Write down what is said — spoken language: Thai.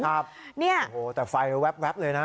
แต่ไฟแวบ